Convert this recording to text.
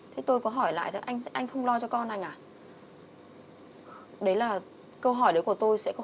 thì cái chuyện li hôn của chị đến trước